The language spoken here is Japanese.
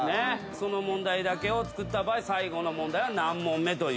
その問題だけを作った場合最後の問題は何問目？という問題で。